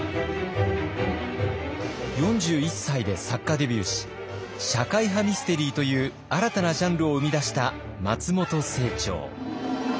４１歳で作家デビューし社会派ミステリーという新たなジャンルを生み出した松本清張。